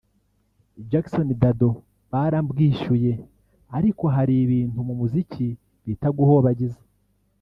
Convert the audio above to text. Jackson Dado barambwishyuye ariko hari ibintu mu muziki bita guhobagiza